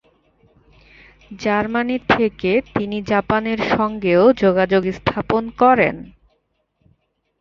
Germany থেকে তিনি জাপানের সঙ্গেও যোগাযোগ স্থাপন করেন।